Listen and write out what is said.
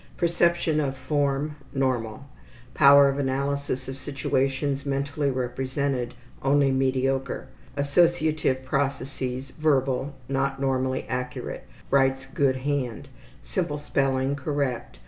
Perception of form, normal. Power of analysis of situations mentally represented, only mediocre. Associative processes, verbal, not normally accurate. Writes good hand. Simple spelling correct.